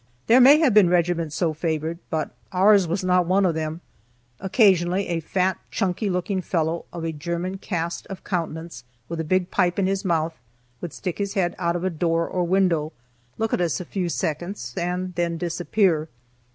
There may have been regiments so favored, but ours was not one of them. Occasionally a fat, chunky looking fellow, of a German cast of countenance, with a big pipe in his mouth, would stick his head out of a door or window, look at us a few seconds, and then disappear.